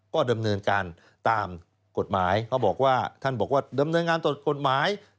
ก็ดำเนินการตามกฎหมายเขาบอกว่าท่านบอกว่าดำเนินงานตรวจกฎหมาย